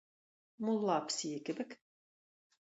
Мулла песие кебек.